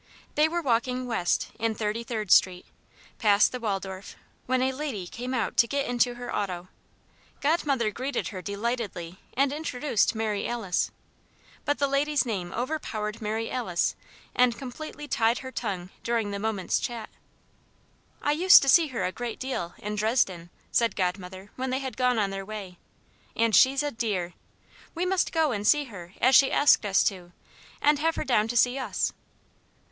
They were walking west in Thirty Third Street, past the Waldorf, when a lady came out to get into her auto. Godmother greeted her delightedly and introduced Mary Alice. But the lady's name overpowered Mary Alice and completely tied her tongue during the moment's chat. "I used to see her a great deal, in Dresden," said Godmother when they had gone on their way, "and she's a dear. We must go and see her as she asked us to, and have her down to see us."